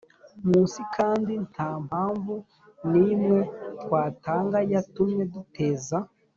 munsi kandi nta mpamvu n imwe twatanga yatumye duteza